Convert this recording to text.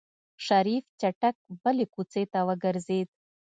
شريف چټک بلې کوڅې ته وګرځېد.